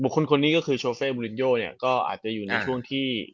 คนนี้ก็คือโชเฟ่บุรินโยเนี่ยก็อาจจะอยู่ในช่วงที่